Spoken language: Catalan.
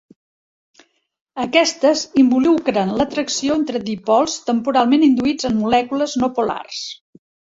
Aquestes involucren l'atracció entre dipols temporalment induïts en molècules no polars.